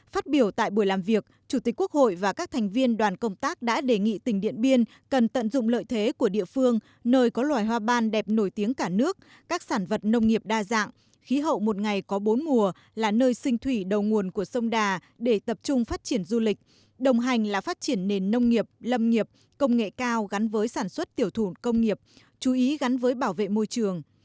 phát biểu tại buổi làm việc chủ tịch quốc hội và các thành viên đoàn công tác đã đề nghị tỉnh điện biên cần tận dụng lợi thế của địa phương nơi có loài hoa ban đẹp nổi tiếng cả nước các sản vật nông nghiệp đa dạng khí hậu một ngày có bốn mùa là nơi sinh thủy đầu nguồn của sông đà để tập trung phát triển du lịch đồng hành là phát triển nền nông nghiệp lâm nghiệp công nghệ cao gắn với sản xuất tiểu thủ công nghiệp chú ý gắn với bảo vệ môi trường